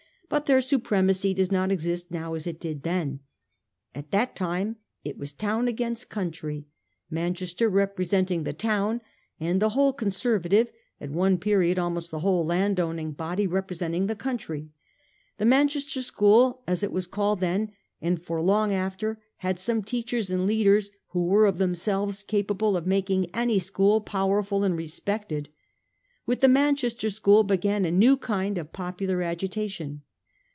But their supre macy does not exist now as it did then. At that time it was town against country ; Manchester repre 1841 6 . RICHARD COBDEN. 337 senting the town, and the whole Conservative (at one period almost the whole landowning) body represent ing the country. The Manchester school, as it was called, then and for long after had some teachers and leaders who were of themselves capable of making any school powerful and respected. With the Man chester school began a new kind of popular agitation.